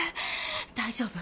大丈夫。